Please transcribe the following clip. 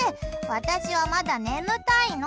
私はまだ眠たいの。